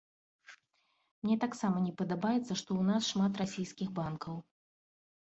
Мне таксама не падабаецца, што ў нас шмат расійскіх банкаў.